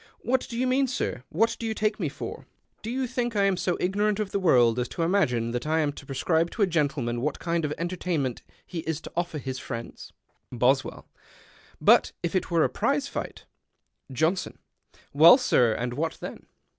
—" What do you mean, sir ? What do you take me for ? Do you tiiink I am so 29 PASTICHE AND PREJUDICE ignorant of the world as to imagine that I am to prescribe to a gentleman what kind of entertainment he is to offer his friends ?" Boswell. —" But if it were a prize fight ?" Joiinsox. —" Well, sir, and what then